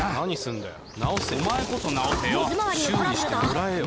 修理してもらえよ。